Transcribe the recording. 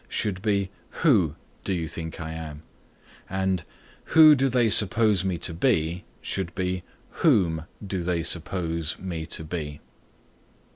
should be "Who do you think I am?" and "Who do they suppose me to be?" should be "Whom do they suppose me to be?"